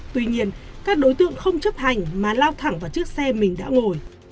tuy nhiên các đối tượng không chấp hành mà lao thẳng vào chiếc xe mình đã ngồi